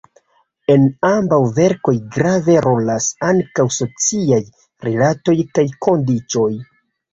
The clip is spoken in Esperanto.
En ambaŭ verkoj grave rolas ankaŭ sociaj rilatoj kaj kondiĉoj.